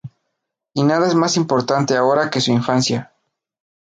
Y nada es más importante ahora que su infancia".